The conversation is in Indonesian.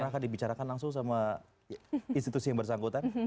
akan dibicarakan langsung sama institusi yang bersangkutan